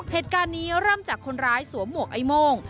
เหตุการณ์นี้เริ่มจากคนร้ายสวมหมวกไอ้โม่ง